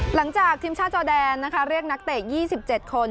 หลังจากทีมชาติจอแดนนะคะเรียกนักเตะ๒๗คน